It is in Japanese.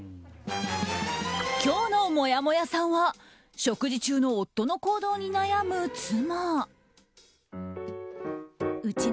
今日のもやもやさんは食事中の夫の行動に悩む妻。